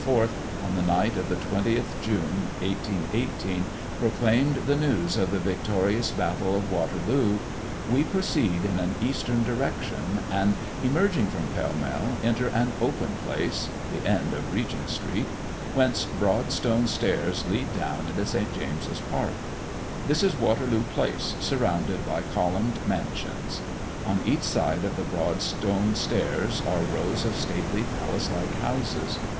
on the night of the 20th June, 1818, proclaimed the news of the victorious battle of Waterloo, we proceed in an eastern direction, and, emerging from Pall Mall enter an open place the end of Regent street whence broad stone stairs lead down into St. James's park. This is Waterloo place, surrounded by columned mansions. On each side of the broad stone stairs are rows of stately palace like houses.